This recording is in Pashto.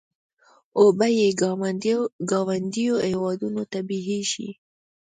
اوبه یې ګاونډیو هېوادونو ته بهېږي.